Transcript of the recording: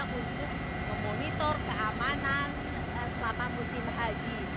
untuk memonitor keamanan selama musim haji